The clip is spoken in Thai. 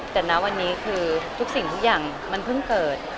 แต่ณวันนี้คือทุกสิ่งทุกอย่างมันเพิ่งเกิด